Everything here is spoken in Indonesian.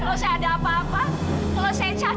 kalau saya ada apa apa kalau saya jahat